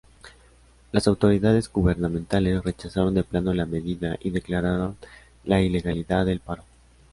Las autoridades gubernamentales rechazaron de plano la medida y declararon la ilegalidad del paro.